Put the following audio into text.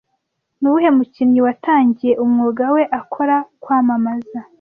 Ni uwuhe mukinnyi watangiye umwuga we akora kwamamaza